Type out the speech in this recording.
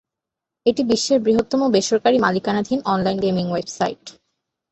এটি বিশ্বের বৃহত্তম বেসরকারী মালিকানাধীন অনলাইন গেমিং ওয়েবসাইট।